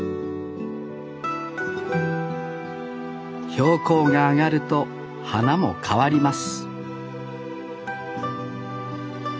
標高が上がると花も変わります